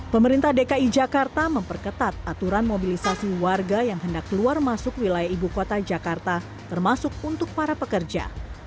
pemerintah dki jakarta memperketat aturan mobilisasi warga yang hendak keluar masuk wilayah ibu kota jakarta termasuk untuk para pekerja